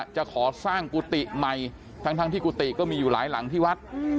จะขอสร้างกุฏิใหม่ทั้งที่กุฏิก็มีอยู่หลายหลังที่วัด